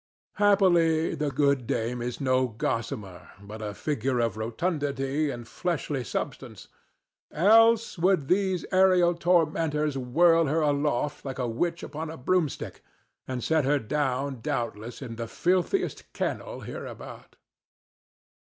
Happily, the good dame is no gossamer, but a figure of rotundity and fleshly substance; else would these aerial tormentors whirl her aloft like a witch upon a broomstick, and set her down, doubtless, in the filthiest kennel hereabout.